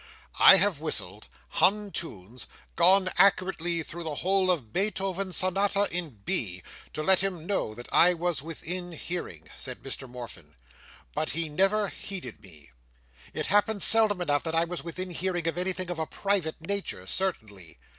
"I have whistled, hummed tunes, gone accurately through the whole of Beethoven's Sonata in B, to let him know that I was within hearing," said Mr Morfin; "but he never heeded me. It happened seldom enough that I was within hearing of anything of a private nature, certainly.